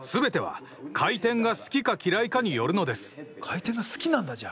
回転が好きなんだじゃあ。